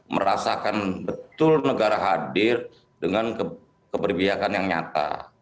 merasakan betul negara hadir dengan keperbiakan yang nyata